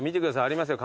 ありますよ